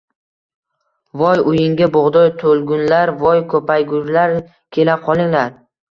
Voy uyingga bug‘doy to‘lgurlar, voy ko‘paygurlar, kela qolinglar.